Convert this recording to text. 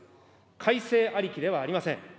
改正ありきではありません。